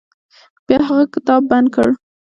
بیا هغه کتاب بند کړ.